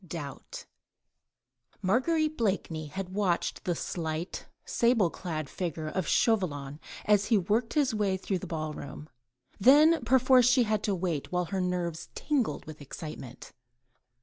DOUBT Marguerite Blakeney had watched the slight sable clad figure of Chauvelin, as he worked his way through the ball room. Then perforce she had had to wait, while her nerves tingled with excitement.